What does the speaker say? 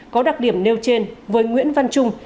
có đặc điểm nêu trên với nguyễn văn trung